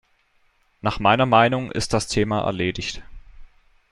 Nach meiner Meinung ist das Thema erledigt.